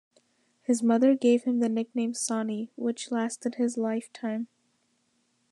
His mother gave him the nickname "Sonny", which lasted his lifetime.